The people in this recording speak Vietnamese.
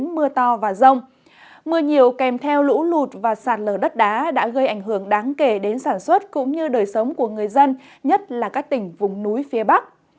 mưa nhiều kèm theo lũ lụt và sạt lở đất đá đã gây ảnh hưởng đáng kể đến sản xuất cũng như đời sống của người dân nhất là các tỉnh vùng núi phía bắc